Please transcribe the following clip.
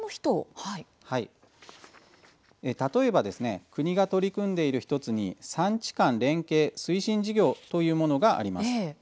例えば国が取り組んでいる１つに産地間連携推進事業というものがあります。